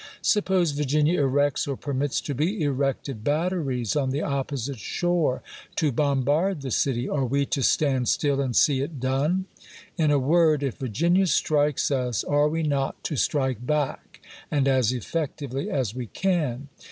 Suppose Virginia erects, or permits to be erected, batteries on the opposite shore to bombard the city, are we to stand still and see it done? In a word, if Virginia strikes us, are we not to strike back, and as effectively as we can